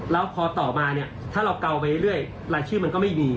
แล้วพอต่อมาเนี่ยถ้าเราเกาไปเรื่อยรายชื่อมันก็ไม่มี